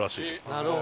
なるほど。